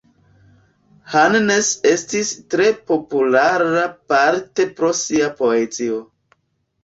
Hannes estis tre populara, parte pro sia poezio.